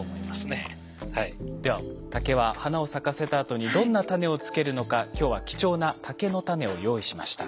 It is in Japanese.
では竹は花を咲かせたあとにどんなタネをつけるのか今日は貴重な竹のタネを用意しました。